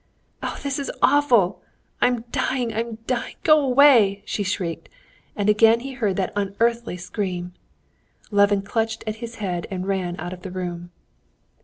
"Oh, this is awful! I'm dying, I'm dying! Go away!" she shrieked, and again he heard that unearthly scream. Levin clutched at his head and ran out of the room.